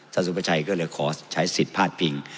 สุภาชัยก็เลยขอใช้สิทธิ์พาดพิง